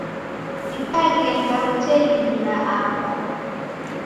Dikaghenda hotelinyi na apa.